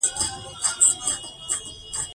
هسې خو به نه وي چې زما هم اجل همدلته وي؟